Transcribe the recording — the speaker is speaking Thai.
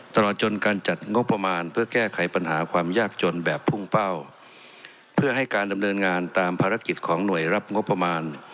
ตลอดจนการจัดงบประมาณเพื่อแก้ไขปัญหาความยากจนแบบพุ่งเป้าเพื่อให้การดำเนินงานตามภารกิจของหน่วยรับงบประมาณ